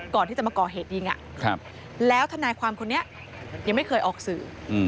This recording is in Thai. ก่อนที่จะมาก่อเหตุยิงแล้วทนายความคนนี้ยังไม่เคยออกสื่อ